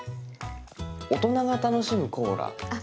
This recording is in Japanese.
大人が楽しむコーラみたいな。